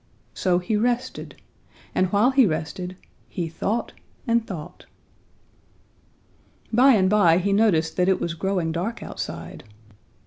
So he rested, and while he rested, he thought and thought. "By and by he noticed that it was growing dark outside.